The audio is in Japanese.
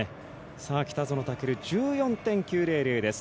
北園丈琉、１４．９００です。